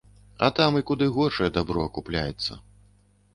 А там і куды горшае дабро акупляецца.